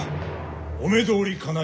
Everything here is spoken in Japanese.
お目通りかない